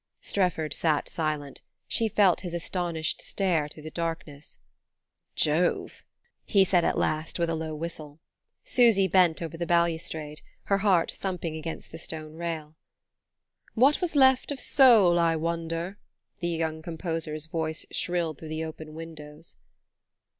Strefford sat silent: she felt his astonished stare through the darkness. "Jove!" he said at last, with a low whistle Susy bent over the balustrade, her heart thumping against the stone rail. "What was left of soul, I wonder ?" the young composer's voice shrilled through the open windows.